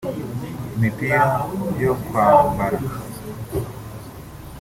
Imipira yo kwa mbara